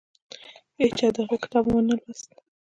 هیچا د هغه کتاب ونه لوست.